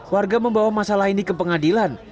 warga membawa masalah ini ke pengadilan